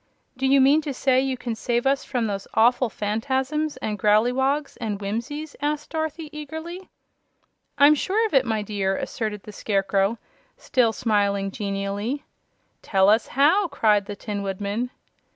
"Do you mean to say you can save us from those awful Phanfasms, and Growleywogs and Whimsies?" asked Dorothy eagerly. "I'm sure of it, my dear," asserted the Scarecrow, still smiling genially. "Tell us how!" cried the Tin Woodman.